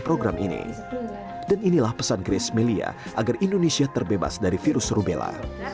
program ini dan inilah pesan grace melia agar indonesia terbebas dari virus rubella